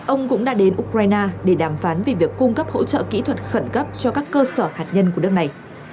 ông cũng đã đến ukraine để đàm phán về việc cung cấp hỗ trợ kỹ thuật khẩn cấp cho các cơ sở hạt nhân của nước này